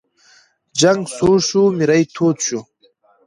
جنګ سوړ شو، میری تود شو.